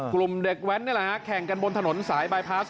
กลุ่มเด็กแว้นนี่แหละฮะแข่งกันบนถนนสายบายพลาส